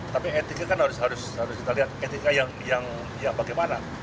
tapi etika kan harus kita lihat etika yang ya bagaimana